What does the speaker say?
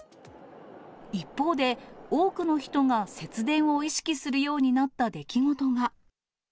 一方で、多くの人が節電を意識するようになった出来事が。